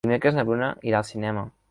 Dimecres na Bruna irà al cinema.